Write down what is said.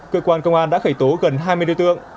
cơ quan công an đã khởi tố gần hai mươi đối tượng